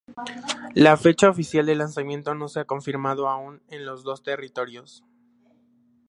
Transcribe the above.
La fecha oficial de lanzamiento no se ha confirmado aún en los dos territorios.